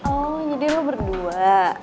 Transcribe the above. oh jadi lo berdua